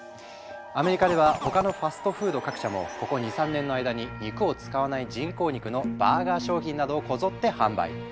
アメリカでは他のファストフード各社もここ２３年の間に肉を使わない人工肉のバーガー商品などをこぞって販売。